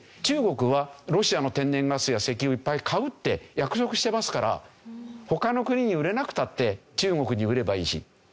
中国はロシアの天然ガスや石油をいっぱい買うって約束してますから他の国に売れなくたって中国に売ればいいし。